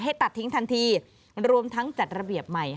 ตัดทิ้งทันทีรวมทั้งจัดระเบียบใหม่